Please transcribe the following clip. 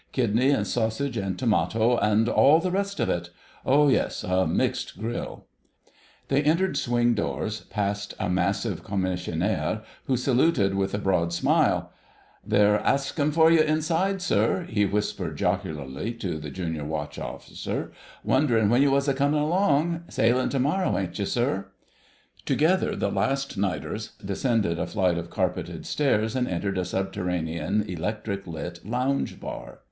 "Kidney and sausage and tomato and all the rest of it. Oh yes, a 'mixed grill.'" They entered swing doors, past a massive Commissionaire, who saluted with a broad smile. "They're askin' for you inside, sir," he whispered jocularly to the Junior Watch keeper. "Wonderin' when you was comin' along.... Sailin' to morrow, ain't you, sir?" Together the "last nighters" descended a flight of carpeted stairs and entered a subterranean, electric lit lounge bar.